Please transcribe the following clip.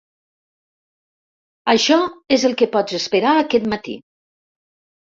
Això és el que pots esperar aquest matí.